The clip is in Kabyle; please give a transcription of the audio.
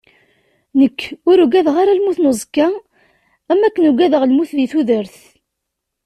Nekk ur uggadeɣ ara lmut n uẓekka am wakken uggadeɣ lmut di tudert.